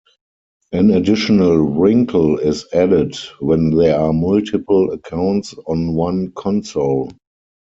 An additional wrinkle is added when there are multiple accounts on one console.